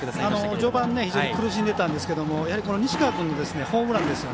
序盤、非常に苦しんでいたんですが西川君のホームラン。